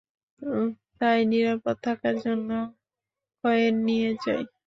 তাই নিরাপদ থাকার জন্যে কয়েন নিয়ে যাই।